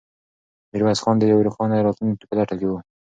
میرویس خان د یوې روښانه راتلونکې په لټه کې و.